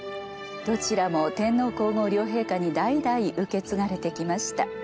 どちらも天皇皇后両陛下に代々受け継がれて来ました。